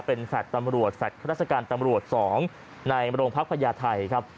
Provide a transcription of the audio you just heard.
เป็นแฟลต์ตำรวจแฟลต์ราชการตำรวจ๒ในโรงพักพญาไทยครับ